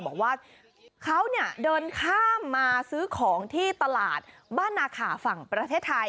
บอกว่าเขาเนี่ยเดินข้ามมาซื้อของที่ตลาดบ้านนาขาฝั่งประเทศไทย